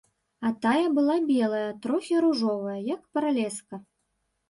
А тая была белая, трохі ружовая, як пралеска.